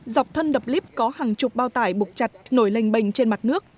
dọc thân đập líp có hàng chục bao tải bục chặt nổi lênh bệnh trên mặt nước